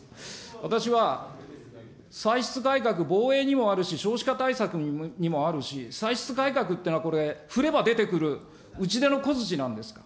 私は、歳出改革、防衛にもあるし、少子化対策にもあるし、歳出改革っていうのは、これは、振れば出てくる、打ち出の小づちなんですか。